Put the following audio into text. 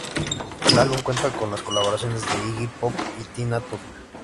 El álbum cuenta con las colaboraciones de Iggy Pop y Tina Turner.